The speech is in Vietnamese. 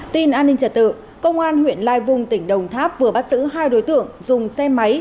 tin an ninh trả tự công an huyện lai vung tỉnh đồng tháp vừa bắt giữ hai đối tượng dùng xe máy